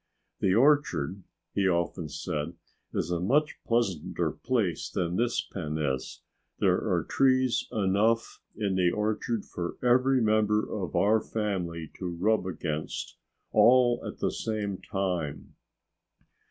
"The orchard," he often said, "is a much pleasanter place than this pen is. There are trees enough in the orchard for every member of our family to rub against all at the same time."